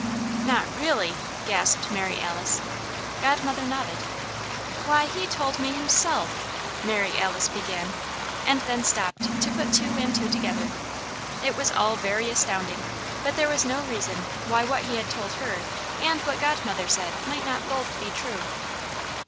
"Not really?" gasped Mary Alice. Godmother nodded. "Why, he told me him_self_ !" Mary Alice began; and then stopped to put two and two together. It was all very astounding, but there was no reason why what he had told her and what Godmother said might not both be true.